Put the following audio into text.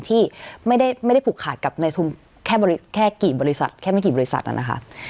ที่ไม่ได้ผูกขาดกับในแค่กี่บริษัทแค่ไม่กี่บริษัทนะคะ